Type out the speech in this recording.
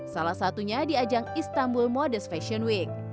salah satunya di ajang istanbul modest fashion week